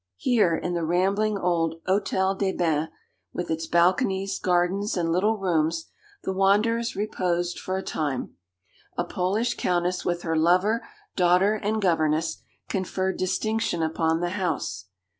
Here in the rambling old Hôtel des Bains, with its balconies, gardens, and little rooms, the wanderers reposed for a time. A Polish countess, with her lover, daughter, and governess, conferred distinction upon the house.